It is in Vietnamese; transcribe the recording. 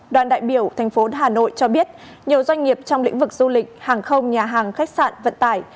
đoàn đại biểu thành phố hà nội cho biết nhiều doanh nghiệp trong lĩnh vực du lịch hàng không nhà hàng khách sạn vận tải